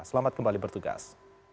selamat kembali bertugas